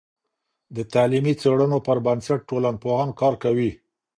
د تعلیمي څیړنو پر بنسټ ټولنپوهان کار کوي.